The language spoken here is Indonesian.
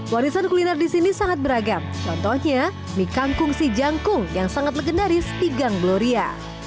warisan kuliner di sini sangat beragam contohnya mie kangkung si jangkung yang sangat legendaris di gang gloria